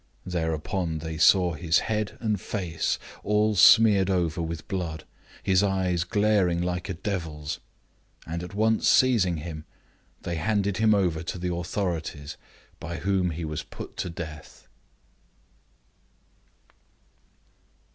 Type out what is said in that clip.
Thereupon they saw his head and face all smeared over with the blood, his eyes glaring like a devil's ; and at once seizing him, they handed him over to the authorities, by whom he was put to death.